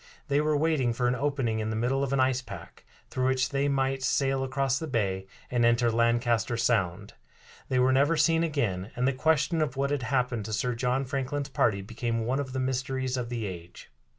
They were waiting for an opening in the middle of an ice pack, through which they might sail across the bay and enter Lancaster Sound. They were never seen again, and the question of what had happened to Sir John Franklin's party became one of the mysteries of the age.